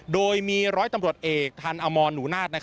โดยมี๑๐๐ตำรวจเอกธันอมรหนุนาศ